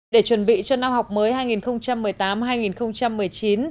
để chuẩn bị cho năm học mới hai nghìn một mươi tám hai nghìn một mươi chín